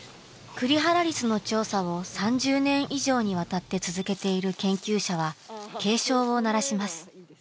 クリハラリスの調査を３０年以上にわたって続けている研究者は警鐘を鳴らします。